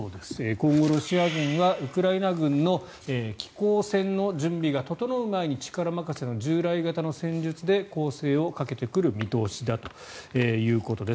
今後、ロシア軍がウクライナ軍の機甲戦の準備が整う前に力任せの従来型の戦術で攻勢をかけてくる見通しだということです。